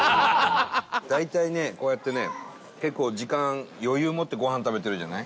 大体ねこうやってね結構時間余裕を持ってごはん食べてるじゃない？